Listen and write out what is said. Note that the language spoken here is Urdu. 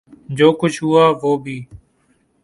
جو کچھ ہوا، وہ بھی